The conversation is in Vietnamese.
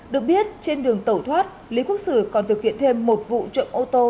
được biết trên đường tẩu thoát lý quốc sử còn thực hiện thêm một vụ trộm ô tô